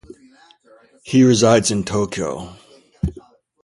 He resides in Tokyo.